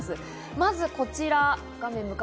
まずこちら。